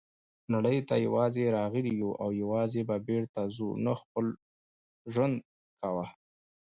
نړۍ ته یوازي راغلي یوو او یوازي به بیرته ځو نو خپل ژوند کوه.